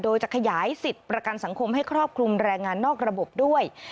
โดยจะขยายสิทธิ์ประกันสังคมให้ครอบคลุมแรงงานนอกระบบด้วย